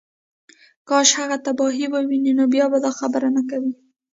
کاش هغه تباهۍ ووینې نو بیا به دا خبرې نه کوې